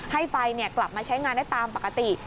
ให้ไฟกลับมาใช้งานได้ตามปกติ